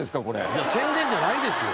いや宣伝じゃないですよ。